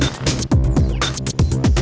wah keren banget